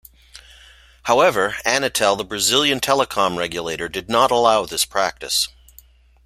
However, Anatel, the Brazilian telecom regulator, did not allow this practice.